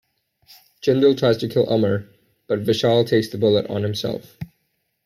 Jindal tries to kill Amar, but Vishal takes the bullet on himself.